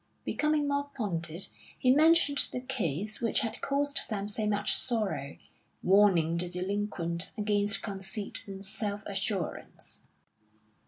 Becoming more pointed, he mentioned the case which had caused them so much sorrow, warning the delinquent against conceit and self assurance.